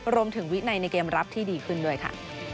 วินัยในเกมรับที่ดีขึ้นด้วยค่ะ